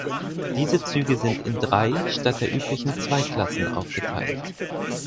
Diese Züge sind in drei statt der üblichen zwei Klassen aufgeteilt.